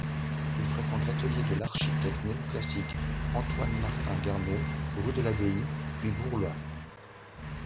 Il fréquente l'atelier de l'architecte néo-classique Antoine-Martin Garnaud, rue de l’Abbaye, puis Bourlat.